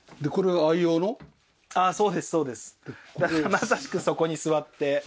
まさしくそこに座って。